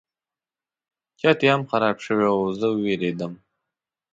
چت یې هم خراب شوی و زه وویرېدم.